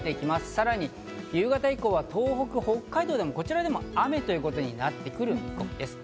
さらに夕方以降は東北、北海道でもこちらでも雨ということになってくる見込みです。